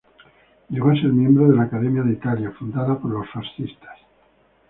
Llegó a ser miembro de la Academia de Italia, fundada por los fascistas.